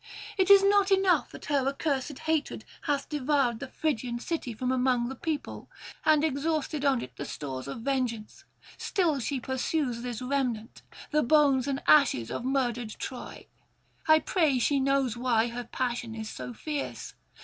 It is not enough that her accursed hatred hath devoured the Phrygian city from among the people, and exhausted on it the stores of vengeance; still she pursues this remnant, the bones and ashes of murdered Troy. I pray she know why her passion is so fierce.